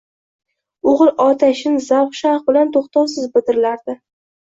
O`g`il otashin, zavq-shavq bilan to`xtovsiz bidirlardi